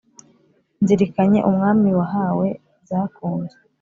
nzirikanye umwami wahawe zakunze,